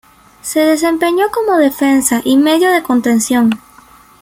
Se desempeñó como defensa y medio de contención.